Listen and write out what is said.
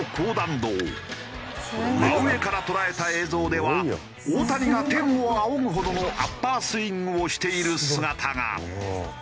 真上から捉えた映像では大谷が天を仰ぐほどのアッパースイングをしている姿が。